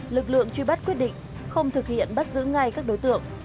lực lượng truy bắt quyết định không thực hiện bắt giữ ngay các đối tượng